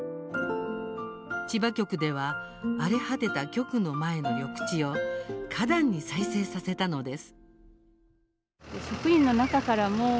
千葉局では荒れ果てた局の前の緑地を花壇に再生させたのです。